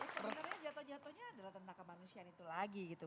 sebenarnya jatuh jatuhnya adalah tenaga manusia itu lagi gitu